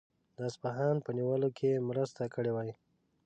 د اصفهان په نیولو کې یې مرسته کړې وای.